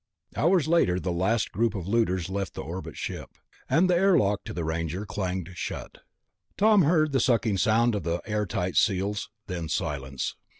Hours later, the last group of looters left the orbit ship, and the airlock to the Ranger clanged shut. Tom heard the sucking sound of the air tight seals, then silence.